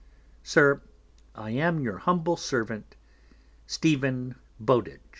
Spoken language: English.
Sir, I am your humble Servant, Stephen Bowdidge.